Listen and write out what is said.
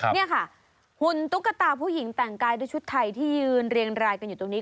นี่ค่ะหุ่นตุ๊กตาผู้หญิงแต่งกายด้วยชุดไทยที่ยืนเรียงรายกันอยู่ตรงนี้